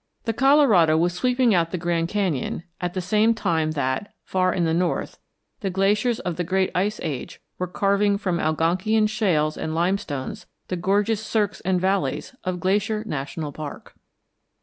The Colorado was sweeping out the Grand Canyon at the same time that, far in the north, the glaciers of the Great Ice Age were carving from Algonkian shales and limestones the gorgeous cirques and valleys of Glacier National Park.